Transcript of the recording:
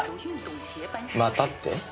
またって？